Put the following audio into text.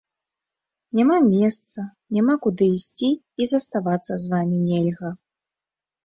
Няма месца, няма куды ісці і заставацца з вамі нельга.